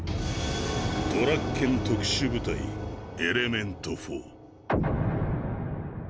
ドラッケン特殊部隊エレメント４。